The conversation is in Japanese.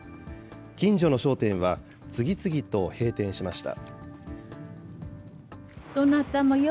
近所の商店は次々と閉店しました。